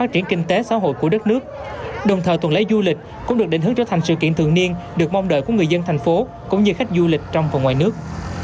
trở thành sự kiện thường niên được mong đợi của người dân thành phố cũng như khách du lịch trong và ngoài nước